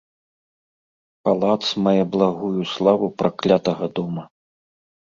Палац мае благую славу праклятага дома.